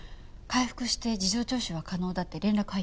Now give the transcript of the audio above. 回復して事情聴取は可能だって連絡入ってます。